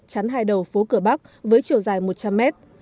chắn hai đầu phố cửa bắc với chiều dài một trăm linh mét